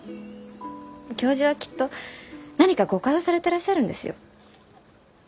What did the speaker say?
教授はきっと何か誤解をされてらっしゃるんですよ。